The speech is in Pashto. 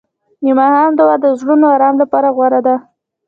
د ماښام دعا د زړونو آرام لپاره غوره ده.